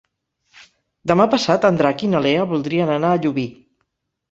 Demà passat en Drac i na Lea voldrien anar a Llubí.